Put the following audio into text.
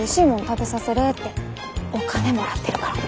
食べさせれってお金もらってるから。